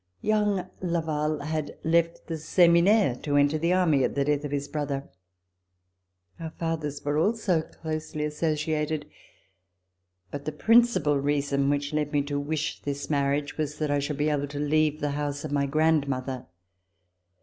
Young Laval had left the Seminaire to enter the Army at the death of his brother. Our fathers were also closely associ ated, but the principal reason which led me to wish this marriage was that I would be able to leave the house of my grandmother.